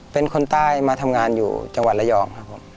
เป็นคนใต้มาทำงานอยู่จังหวัดระยองครับผม